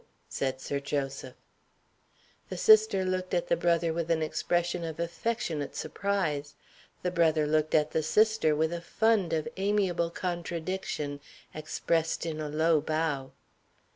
said Sir Joseph. The sister looked at the brother with an expression of affectionate surprise. The brother looked at the sister with a fund of amiable contradiction, expressed in a low bow.